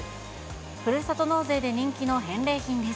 ふるさと納税で人気の返礼品です。